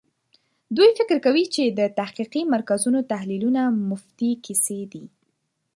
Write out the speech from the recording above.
دوی فکر کوي چې د تحقیقي مرکزونو تحلیلونه مفتې کیسې دي.